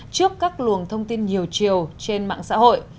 trước các luồng thông tin nhiều chiều trên mạng xã hội